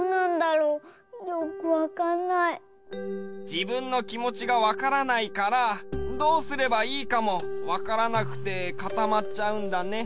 じぶんのきもちがわからないからどうすればいいかもわからなくてかたまっちゃうんだね。